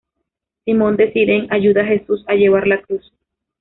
Simón de Cirene ayuda a Jesús a llevar la cruz.